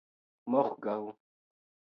morgaŭ